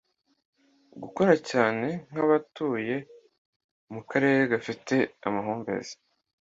gukora cyane nk’abatuye mu karere gafite amahumbezi.